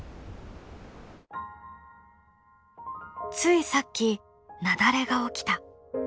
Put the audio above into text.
ついさっき雪崩が起きた。